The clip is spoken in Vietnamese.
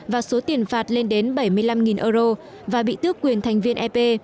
và số tiền phạt lên đến bảy mươi năm euro và bị tước quyền thành viên ep